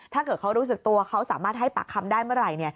ถ้าเกิดเขารู้สึกตัวเขาสามารถให้ปากคำได้เมื่อไหร่